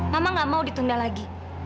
mama gak mau ditunda lagi